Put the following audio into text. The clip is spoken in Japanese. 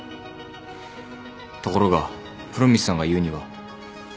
ところが風呂光さんが言うには。